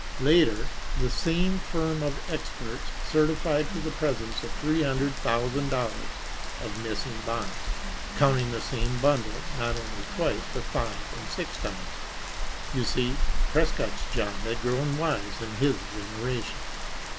Later the same firm of "experts" certified to the presence of three hundred thousand dollars of missing bonds, counting the same bundle, not only twice, but five and six times! You see, Prescott's John had grown wise in his generation.